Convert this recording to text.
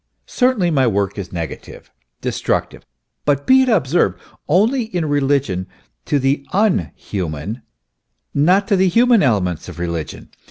Certainly, my work is negative, destructive; but, be it observed, only in relation to the inhuman, not to the human elements of religion.